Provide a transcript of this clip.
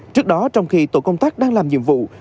trước đó trong khi tổ công tác đang làm nhiệm vụ